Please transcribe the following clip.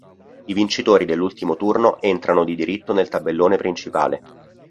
I vincitori dell'ultimo turno entrano di diritto nel tabellone principale.